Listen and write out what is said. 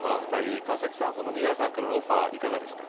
川崎さんそのｍｉｗａさんからのオファーいかがでした？